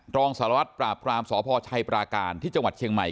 รองสารวัตรปราบรามสพชัยปราการที่จังหวัดเชียงใหม่